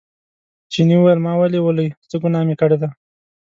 چیني وویل ما ولې ولئ څه ګناه مې کړې ده.